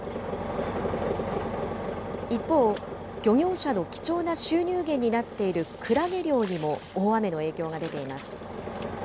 一方、漁業者の貴重な収入源になっているクラゲ漁にも大雨の影響が出ています。